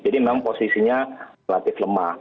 jadi memang posisinya relatif lemah